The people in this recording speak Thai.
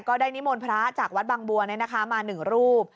ได้นิมนต์พระจากวัดบางบัวมา๑รูป